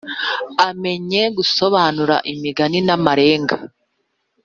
Amenye gusobanura imigani n amarenga